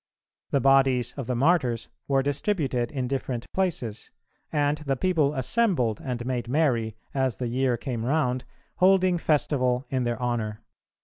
The bodies of the Martyrs were distributed in different places, and the people assembled and made merry, as the year came round, holding festival in their honour.